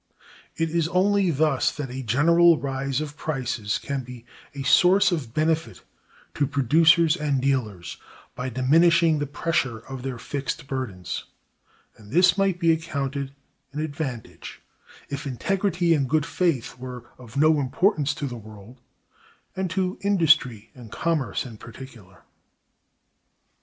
It is only thus that a general rise of prices can be a source of benefit to producers and dealers, by diminishing the pressure of their fixed burdens. And this might be accounted an advantage, if integrity and good faith were of no importance to the world, and to industry and commerce in particular.